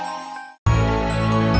masuk kuliah dulu